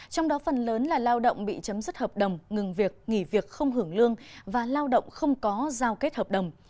trong đó phần lớn là lao động bị chấm dứt hợp đồng ngừng việc nghỉ việc không hưởng lương và lao động không có giao kết hợp đồng